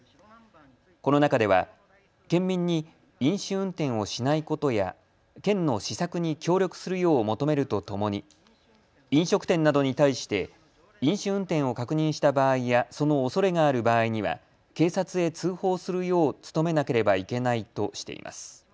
この中では県民に飲酒運転をしないことや県の施策に協力するよう求めるとともに飲食店などに対して飲酒運転を確認した場合やそのおそれがある場合には警察へ通報するよう努めなければいけないとしています。